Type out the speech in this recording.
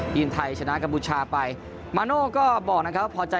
ยิ่นไทชนะกรรมุชาไปมานโน่ก็บอกนะครับว่าพอใจ